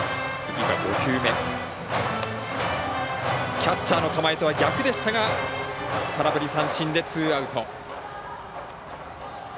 キャッチャーの構えとは逆でしたが空振り三振でツーアウト。